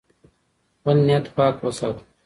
خپل نیت پاک وساتئ.